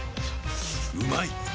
うまい！